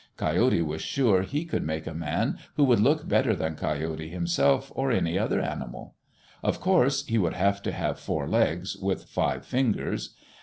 Coyote was sure he could make a man who would look better than Coyote himself, or any other animal. Of course he would have to have four legs, with five fingers.